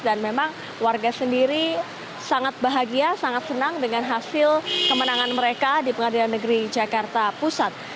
dan memang warga sendiri sangat bahagia sangat senang dengan hasil kemenangan mereka di pengadilan negeri jakarta pusat